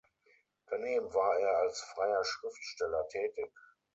Daneben war er als freier Schriftsteller tätig.